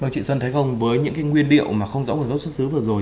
chị xuân thấy không với những nguyên liệu mà không rõ nguồn gốc xuất xứ vừa rồi